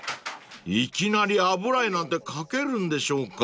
［いきなり油絵なんて描けるんでしょうか？］